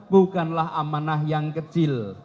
bukanlah amanah yang kecil